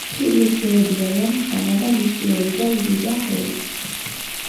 ფილმის გმირები არიან ჰანა და მისი ორი და, ლი და ჰოლი.